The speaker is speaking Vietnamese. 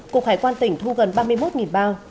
cục hải quan tỉnh thu gần ba mươi một bao